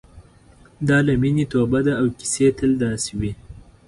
دا له مینې توبه ده او کیسې تل داسې دي.